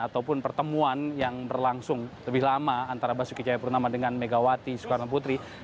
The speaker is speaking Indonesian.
ataupun pertemuan yang berlangsung lebih lama antara basuki cahayapurnama dengan megawati soekarno putri